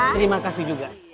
terima kasih juga